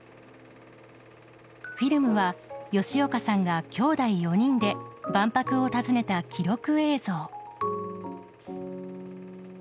フィルムは吉岡さんがきょうだい４人で万博を訪ねた記録映像。